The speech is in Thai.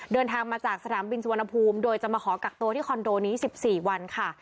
เดินทางมาจากสนามบินสุวรรณภูมิโดยจะมาขอกักตัวที่คอนโดนี้๑๔วันค่ะ